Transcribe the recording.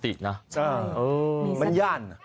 ติว่าคุณยายมีสติดนะอ๋อ